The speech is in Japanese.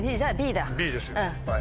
Ｂですよ。